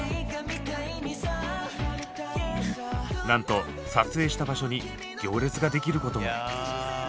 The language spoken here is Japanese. なんと撮影した場所に行列ができることも。